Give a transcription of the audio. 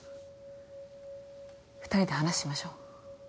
２人で話しましょ。